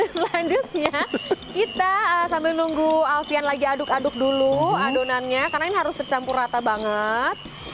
selanjutnya kita sambil nunggu alfian lagi aduk aduk dulu adonannya karena ini harus tercampur rata banget